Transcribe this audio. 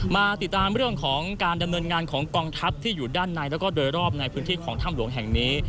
มาติดตามเรื่องของการดำเนินงานของกองทัพที่อยู่ด้านในแล้วก็โดยรอบในพื้นที่ของถ้ำหลวงแห่งนี้